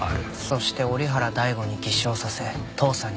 そして折原大吾に偽証させ父さんに罪を着せた。